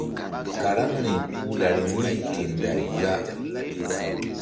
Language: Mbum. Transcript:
Karaŋri puh lari wu̧y ke nday ya.